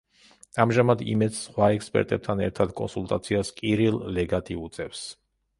ამჟამად „იმედს“ სხვა ექსპერტებთან ერთად კონსულტაციას კირილ ლეგატი უწევს.